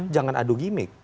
jangan adu gimik